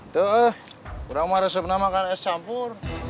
tuh udah mau resipi makan es campur